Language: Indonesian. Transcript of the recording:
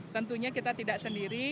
tentunya kita tidak sendiri